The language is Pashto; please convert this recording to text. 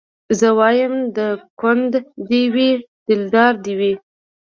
زه وايم د ګوند دي وي دلدار دي وي